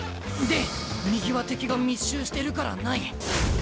で右は敵が密集してるからない。